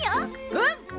うん！